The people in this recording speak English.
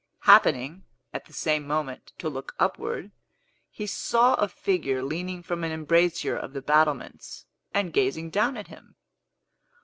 Happening, at the same moment, to look upward, he saw a figure leaning from an embrasure of the battlements, and gazing down at him.